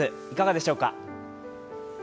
いかがでしょうか。